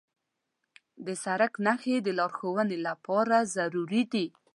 د سړک نښې د لارښوونې لپاره ضروري دي.